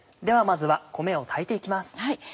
ではまずは米を炊いて行きます。